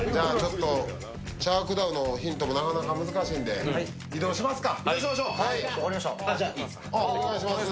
チャー・クダウのヒントもなかなか難しいんで移動しますか。